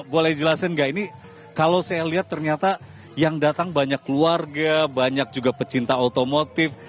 boleh jelasin nggak ini kalau saya lihat ternyata yang datang banyak keluarga banyak juga pecinta otomotif